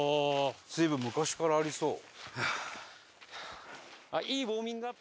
随分昔からありそう。